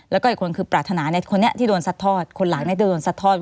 แล้วก็อีกคนคือประถนาเนี่ยคนนี้ที่โดนสัดทอด